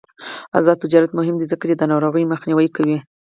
آزاد تجارت مهم دی ځکه چې د ناروغیو مخنیوی کوي.